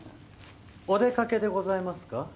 お出かけでございますか？